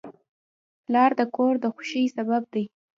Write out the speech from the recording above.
پلار د کور د خوښۍ سبب دی.